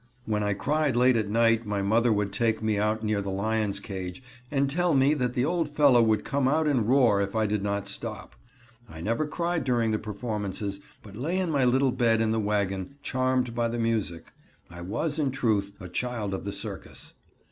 When I cried late at night my mother would take me out near the lion's cage and tell me that the old fellow would come out and roar if I did not stop. I never cried during the performances, but lay in my little bed in the wagon charmed by the music. I was, in truth, a child of the circus.